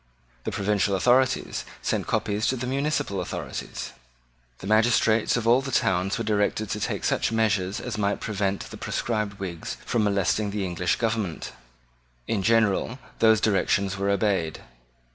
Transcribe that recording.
The provincial authorities sent copies to the municipal authorities. The magistrates of all the towns were directed to take such measures as might prevent the proscribed Whigs from molesting the English government. In general those directions were obeyed.